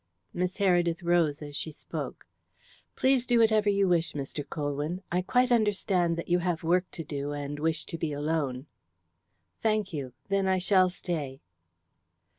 Miss Heredith rose as she spoke. "Please do whatever you wish, Mr. Colwyn. I quite understand that you have work to do, and wish to be alone." "Thank you. Then I shall stay."